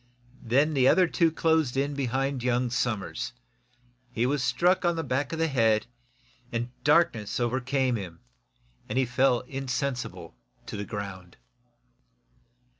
Then the other two closed in behind young Somers. He was struck on the back of the head, and darkness came over him and he fell insensible to the ground.